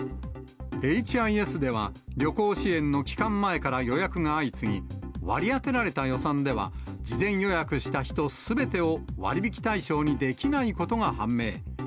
ＨＩＳでは、旅行支援の期間前から予約が相次ぎ、割り当てられた予算では、事前予約した人すべてを割引対象にできないことが判明。